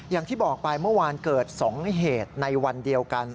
อย่างที่บอกไปเมื่อวานเกิด๒เหตุในวันเดียวกัน